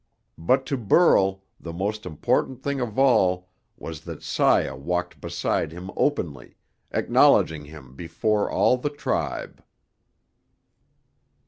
But to Burl the most important thing of all was that Saya walked beside him openly, acknowledging him before all the tribe.